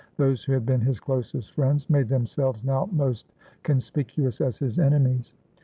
Those who had been his closest friends made themselves now most conspicuous as his enemies.